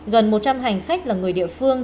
gần một trăm linh hành khách là người địa phương